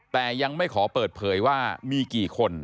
แต่ยังไม่ขอเปิดเผยว่ามีกี่คน